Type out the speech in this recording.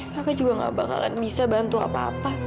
mereka juga gak bakalan bisa bantu apa apa